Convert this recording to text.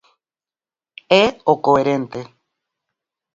É o coherente.